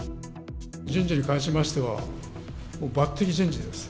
人事に関しましては、もう抜てき人事です。